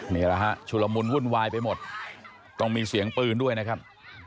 นี่แหละฮะชุลมุนวุ่นวายไปหมดต้องมีเสียงปืนด้วยนะครับ